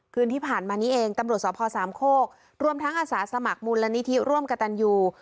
คืนที่ผ่านมานี้เองตำรวจสภสามโคกรวมทั้งอาสาสมัครมูลนิธิร่วมกับตันยู